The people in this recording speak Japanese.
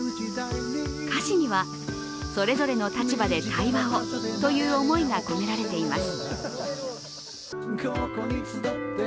歌詞には、それぞれの立場で対話をという思いが込められています。